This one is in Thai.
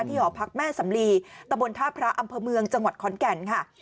หอพักแม่สำลีตะบนท่าพระอำเภอเมืองจังหวัดขอนแก่นค่ะ